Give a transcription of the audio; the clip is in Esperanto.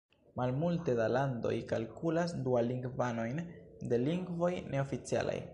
Malmulte da landoj kalkulas dualingvanojn de lingvoj neoficialaj.